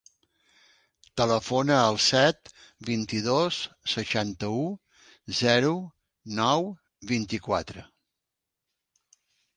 Telefona al set, vint-i-dos, seixanta-u, zero, nou, vint-i-quatre.